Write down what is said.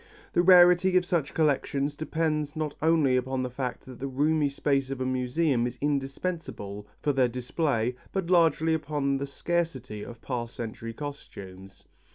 The rarity of such collections depends not only upon the fact that the roomy space of a museum is indispensable for their display but largely upon the scarcity of past century costumes.